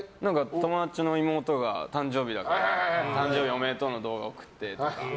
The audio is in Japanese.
友達の妹が誕生日だから誕生日おめでとうの動画送ってとか。